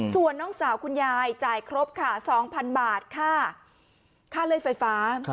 ส่วนน้องสาวคุณยายจ่ายครบค่ะ๒๐๐๐บาทค่าเลื่อยไฟฟ้า